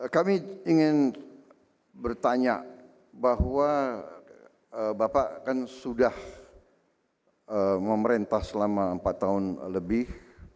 kami ingin bertanya bahwa bapak kan sudah memerintah selama empat tahun lebih